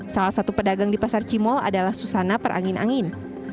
salah satu pedagang di pasar cimol adalah susana perangin angin